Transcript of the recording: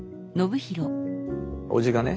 叔父がね